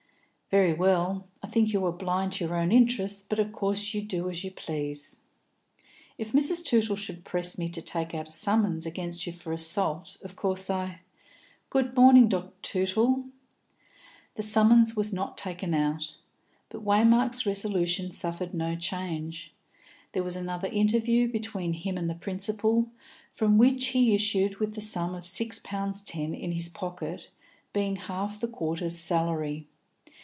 "Very well. I think you are blind to your own interest, but of course you do as you please. If Mrs. Tootle should press me to take out a summons against you for assault, of course I " "Good morning, Dr. Tootle." The summons was not taken out, but Waymark's resolution suffered no change. There was another interview between him and the principal, from which he issued with the sum of six pounds ten in his pocket, being half the quarter's salary.